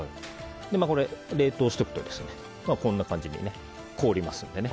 これ冷凍しておくとこんな感じで凍りますので。